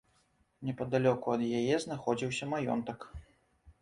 Непадалёку ад яе знаходзіўся маёнтак.